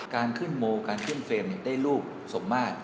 การขึ้นโมการขึ้นเฟรมได้รูปสมมาก